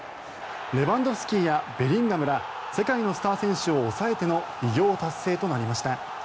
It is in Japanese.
レバンドフスキやベリンガムら世界のスター選手を抑えての偉業達成となりました。